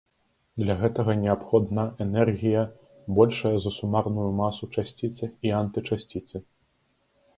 Для гэтага неабходна энергія, большая за сумарную масу часціцы і антычасціцы.